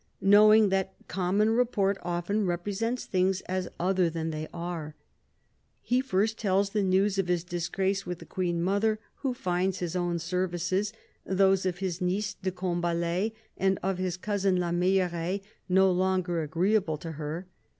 Knowing that " common report often represents things as other than they are," he first tells the news of his disgrace with the Queen mother, who finds his own services, those of his niece de Combalet and of his cousin La Meilleraye, no longer agreeable to her.